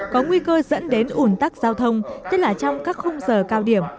có nguy cơ dẫn đến ủn tắc giao thông tức là trong các khung giờ cao điểm